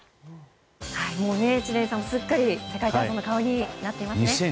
もう、知念さんすっかり世界体操の顔になっていますね。